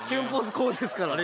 こうですからあれ